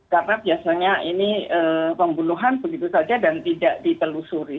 karena biasanya ini pembunuhan begitu saja dan tidak ditelusuri